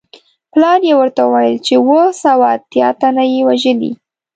پلار یې ورته وویل چې اووه سوه اتیا تنه یې وژلي.